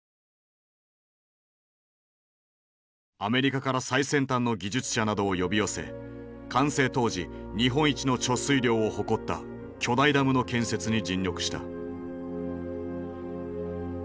アメリカから最先端の技術者などを呼び寄せ完成当時日本一の貯水量を誇った巨大ダムの建設に尽力した。